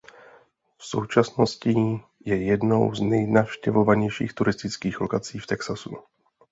V současností je jednou z nejnavštěvovanějších turistických lokací v Texasu.